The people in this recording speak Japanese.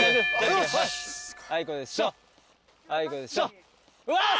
よし！